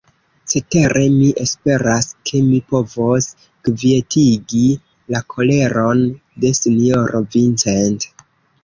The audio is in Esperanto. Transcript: Cetere mi esperas, ke mi povos kvietigi la koleron de sinjoro Vincent.